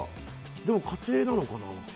でも、過程なのかな。